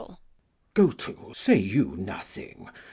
Glou. Go to; say you nothing.